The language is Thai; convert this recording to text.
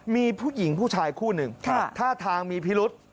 มีผู้หญิงผู้ชายคู่หนึ่งท่าทางมีพิรุษ